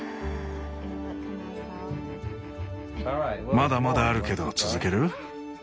まだまだあるけど続ける？